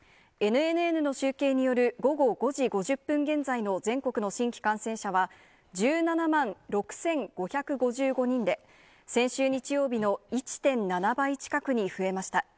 ＮＮＮの集計による午後５時５０分現在の全国の新規感染者は、１７万６５５５人で、先週日曜日の１．７倍近くに増えました。